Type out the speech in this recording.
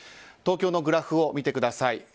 東京のグラフを見てください。